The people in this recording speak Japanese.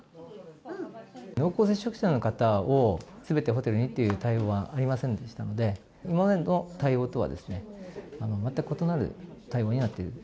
濃厚接触者の方を、すべてホテルにっていう対応はありませんでしたので、今までの対応とは全く異なる対応になっている。